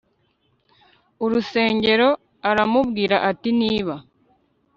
urusengero aramubwira ati niba